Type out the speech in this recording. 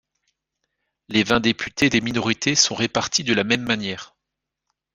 Les vingt députés des minorités sont répartis de la même manière.